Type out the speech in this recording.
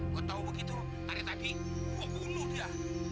gue tahu begitu hari tadi gue bunuh dia